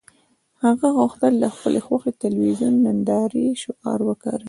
هغه غوښتل د خپلې خوښې تلویزیوني نندارې شعار وکاروي